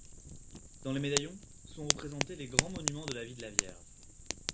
Dans les médaillons, sont représentés les grands moments de la vie de la Vierge.